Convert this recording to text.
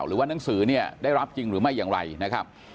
หรือว่านังสือเนี่ยได้รับจริงหรือไม่อย่างไรนะครับ